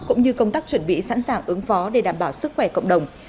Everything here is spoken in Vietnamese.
cũng như công tác chuẩn bị sẵn sàng ứng phó để đảm bảo sức khỏe cộng đồng